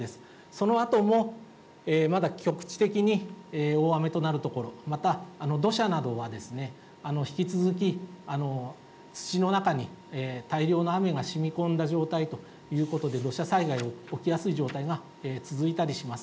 そのあともまだ局地的に大雨となる所、また土砂などは引き続き土の中に大量の雨がしみこんだ状態ということで、土砂災害起きやすい状態が続いたりします。